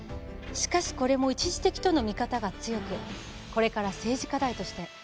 しかしこれも一時的との見方が強くこれから政治課題として。